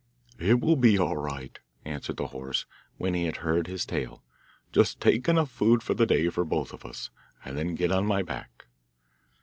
'It will be all right,' answered the horse when he had heard his tale; 'just take enough food for the day for both of us, and then get on my back.